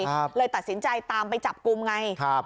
เลยตัดสินใจตามไปจับกลุ่มไงครับ